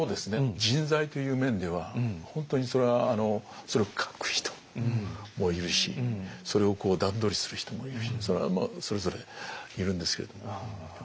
人材という面では本当にそれはそれを書く人もいるしそれをこう段取りする人もいるしそれはそれぞれいるんですけれども。